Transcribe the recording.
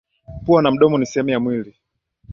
Pua na mdomo ni sehemu ya mwili.